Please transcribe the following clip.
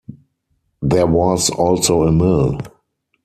There was also a mill.